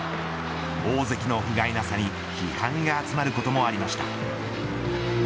大関のふがいなさに批判が集まることもありました。